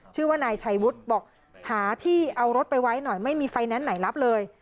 ชื่อว่านายชัยวุฒิบอกหาที่เอารถไปไว้หน่อยไม่มีไฟแนนซ์ไหนรับเลย